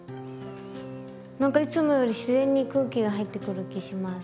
なんかいつもより自然に空気が入ってくる気します。